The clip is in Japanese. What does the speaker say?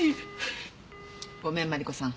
ごめんマリコさん。